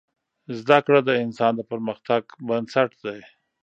زده کړه د انسان د پرمختګ بنسټ دی.